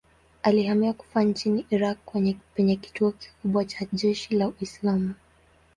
Alihamia Kufa nchini Irak penye kituo kikubwa cha jeshi la Uislamu.